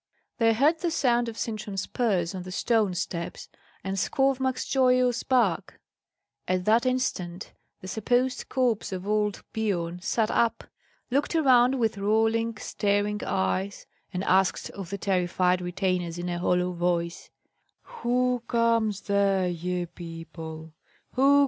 They heard the sound of Sintram's spurs on the stone steps, and Skovmark's joyous bark. At that instant the supposed corpse of old Biorn sat up, looked around with rolling, staring eyes, and asked of the terrified retainers in a hollow voice, "Who comes there, ye people?